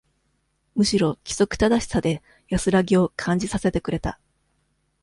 むしろ、規則正しさで、安らぎを、感じさせてくれた。